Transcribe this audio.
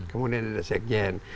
kemudian ada sekjen